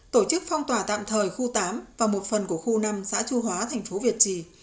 tổ chức phong tỏa tạm thời khu tám và một phần của khu năm xã chu hóa thành phố việt trì